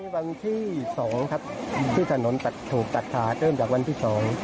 วันที่๒ครับที่ถนนตัดถูกตัดขาเริ่มจากวันที่สอง